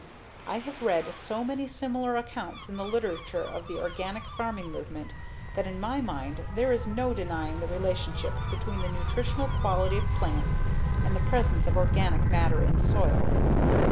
I have read so many similar accounts in the literature of the organic farming movement that in my mind there is no denying the relationship between the nutritional quality of plants and the presence of organic matter in soil.